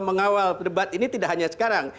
mengawal debat ini tidak hanya sekarang